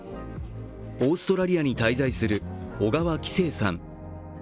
オーストラリアに滞在する小川輝星さん。